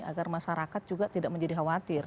agar masyarakat juga tidak menjadi khawatir